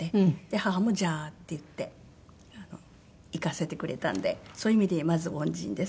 母も「じゃあ」って言って行かせてくれたんでそういう意味でまず恩人です。